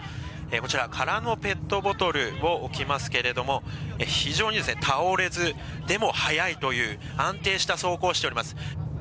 空のペットボトルを置きますけども非常に倒れず、でも速いという安定した走行をしております。